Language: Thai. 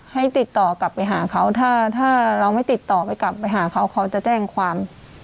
ให้ติดต่อกลับไปหาเขาถ้าเราไม่ติดต่อไปกลับไปหาเขาเขาจะแจ้งความ